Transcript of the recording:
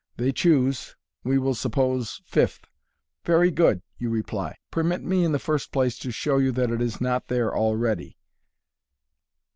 They choose, we will suppose, fifth. "Very good," you reply j " permit me, in the first place, to show you that it is not there already."